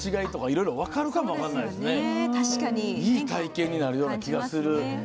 いい体験になるような気がする。